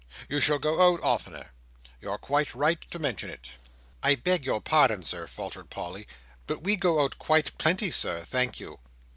You shall go out oftener. You're quite right to mention it." "I beg your pardon, Sir," faltered Polly, "but we go out quite plenty Sir, thank you."